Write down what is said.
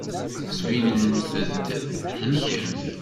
Tettbinemt-d thelkemt.